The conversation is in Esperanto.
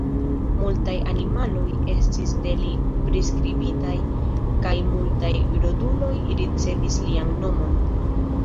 Multaj animaloj estis de li priskribitaj kaj multaj roduloj ricevis lian nomon.